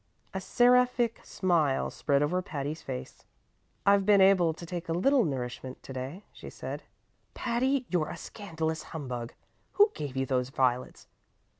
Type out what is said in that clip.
A seraphic smile spread over Patty's face. "I've been able to take a little nourishment to day," she said. "Patty, you're a scandalous humbug! Who gave you those violets?